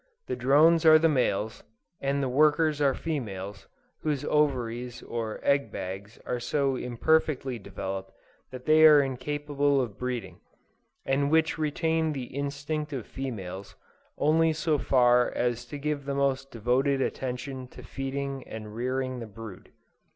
The Drones are the males, and the Workers are females, whose ovaries or "egg bags" are so imperfectly developed that they are incapable of breeding, and which retain the instinct of females, only so far as to give the most devoted attention to feeding and rearing the brood.